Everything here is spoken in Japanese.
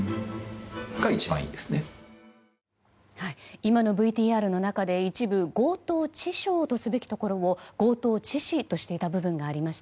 今のＶＴＲの中で一部、強盗致傷とすべきところを強盗致死としていた部分がありました。